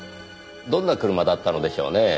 どんな車だったのでしょうねぇ？